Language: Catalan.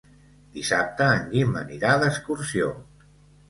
Dissabte en Guim anirà d'excursió.